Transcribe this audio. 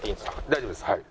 大丈夫ですはい。